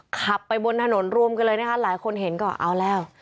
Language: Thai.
ขับไปบนถนนรวมกันเลยนะคะหลายคนเห็นก็เอาแล้ว